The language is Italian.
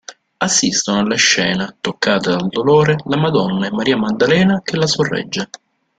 Assistono alla scena, toccate dal dolore, la Madonna e Maria Maddalena, che la sorregge.